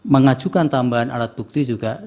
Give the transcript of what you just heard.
mengajukan tambahan alat bukti juga